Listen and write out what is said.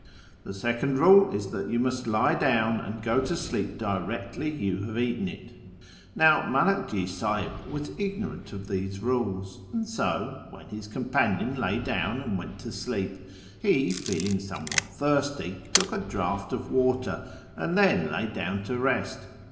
The second rule is that you mvist lie down and go to sleep directly you have eaten it. Now Manakji Sahib was ignorant of these rules, and so, when his companion lay down and went to sleep, he, feeling somewhat thirsty, took a draught of water, and then lay down to rest.